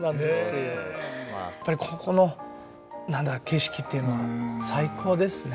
やっぱりここの景色っていうのは最高ですね。